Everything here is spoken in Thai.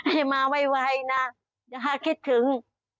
ให้มาไวนะอย่าให้คิดถึง